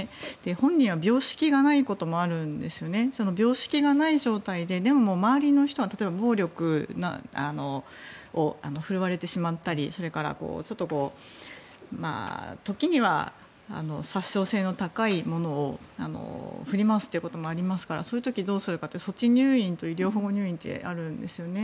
本人は病識がないこともあるんですが病識のない状態で周りの人は暴力を振るわれてしまったりそれから、時には殺傷性の高いものを振り回すこともありますからそういう時にどうするかというと措置入院なんかがあるんですね。